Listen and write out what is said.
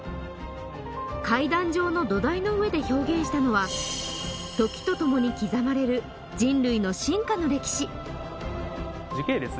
階段状の土台の上で表現したのは時とともに刻まれる人類の進化の歴史